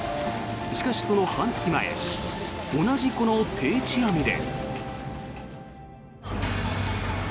しかし、その半月前同じこの定置網で。